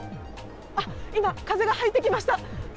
あっ、今、風が入ってきました。